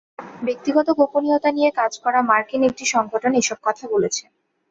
ব্যক্তিগত গোপনীয়তা নিয়ে কাজ করা মার্কিন একটি সংগঠন এসব কথা বলেছে।